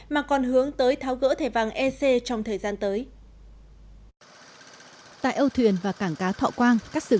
mà còn hướng tới tháo gỡ thẻ vàng ec trong thời gian tới